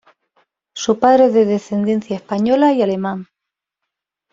Su padre es de descendencia española y alemán.